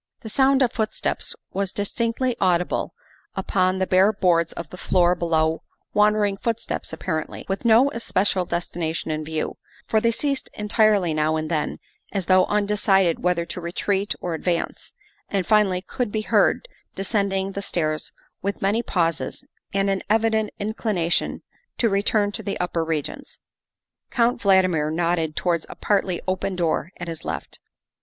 The sound of footsteps was distinctly audible upon the bare boards of the floor below wandering footsteps apparently, with no especial destination in view, for they ceased entirely now and then as though undecided whether to retreat or advance, and finally could be heard descending the stairs with many pauses and an evident inclination to return to the upper regions. Count Valdmir nodded towards a partly open door at his left.